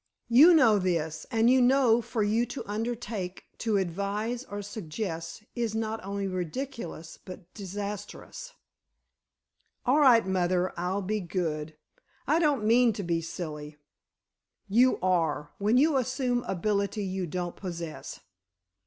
You know this, and you know for you to undertake to advise or suggest is not only ridiculous but disastrous." "All right, mother, I'll be good. I don't mean to be silly." "You are, when you assume ability you don't possess."